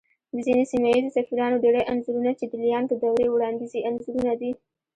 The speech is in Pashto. د ځينې سيمه ييزو سفيرانو ډېری انځورنه چې د ليانگ دورې وړانديزي انځورونه دي